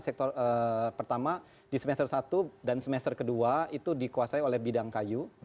sektor pertama di semester satu dan semester kedua itu dikuasai oleh bidang kayu